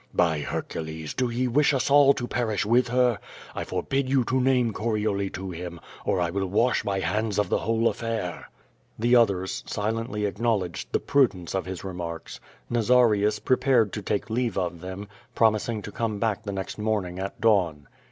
By Hercules! do ye wish us all to perish with her? I forbid you to name Corioli to him, or I will wash my hands of the whole affair.'' The others silently acknowledged the prudence of his re marks. Nazarius prepared to take leave of them, promising to come back the next morning at dawn.